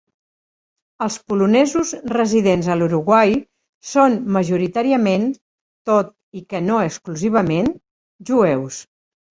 Els polonesos residents a l'Uruguai són majoritàriament, tot i que no exclusivament, jueus.